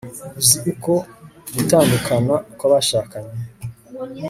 uzi uko gutandukana kw'abashakanye